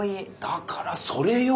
だからそれ用。